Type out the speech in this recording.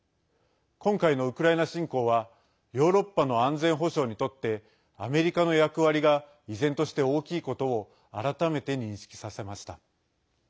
今回のウクライナ侵攻はヨーロッパの安全保障にとってアメリカの役割が依然として大きいことを改めて認識させました。